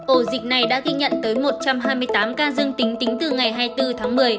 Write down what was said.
ổ dịch này đã ghi nhận tới một trăm hai mươi tám ca dương tính tính từ ngày hai mươi bốn tháng một mươi